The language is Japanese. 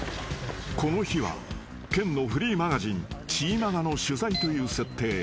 ［この日は県のフリーマガジン『チーマガ』の取材という設定］